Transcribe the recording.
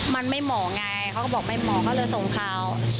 มันไม่เหมาะไงเค้าบอกไม่เหมาะเค้าเลยส่งข่าว